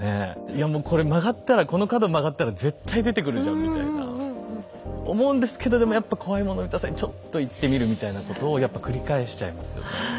いやもうこれ曲がったらこの角曲がったら絶対出てくるじゃんみたいな思うんですけどでもやっぱ怖いもの見たさにちょっと行ってみるみたいなことをやっぱ繰り返しちゃいますよね。